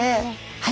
はい。